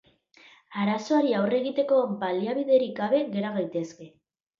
Arazoari aurre egiteko baliabiderik gabe gera gaitezke.